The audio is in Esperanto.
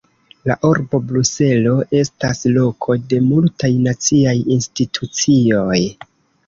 La Urbo Bruselo estas loko de multaj naciaj institucioj.